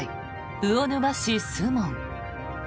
魚沼市守門。